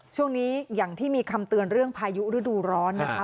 ช่วงนี้อย่างที่มีคำเตือนเรื่องพายุฤดูร้อนนะคะ